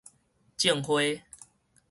種花